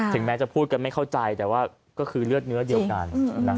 แม้จะพูดกันไม่เข้าใจแต่ว่าก็คือเลือดเนื้อเดียวกัน